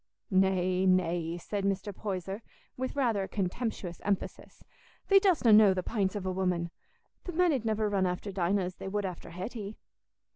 "Nay, nay," said Mr. Poyser, with rather a contemptuous emphasis, "thee dostna know the pints of a woman. The men 'ud niver run after Dinah as they would after Hetty."